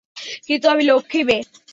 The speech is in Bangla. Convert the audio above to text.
কিন্তু আমি লক্ষ্মী মেয়ে।